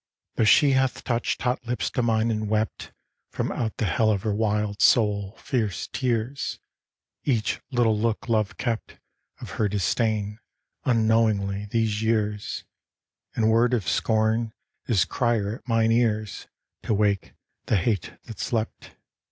III Though she hath touched hot lips to mine and wept, From out the hell of her wild soul, fierce tears, Each little look love kept Of her disdain, unknowingly, these years, And word of scorn, is crier at mine ears To wake the hate that slept.